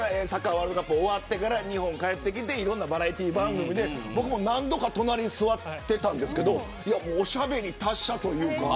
ワールドカップが終わってから日本に帰ってきていろんなバラエティー番組で僕も何度か隣に座っていたんですけどおしゃべりが達者というか。